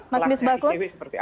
mas mis bakut